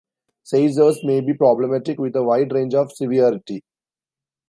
Seizures may be problematic, with a wide range of severity.